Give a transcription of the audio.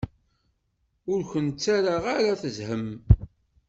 Ur ken-ttaraɣ ara tezham.